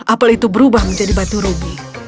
apel itu berubah menjadi batu rubi